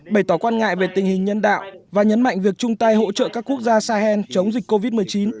bày tỏ quan ngại về tình hình nhân đạo và nhấn mạnh việc chung tay hỗ trợ các quốc gia sahel chống dịch covid một mươi chín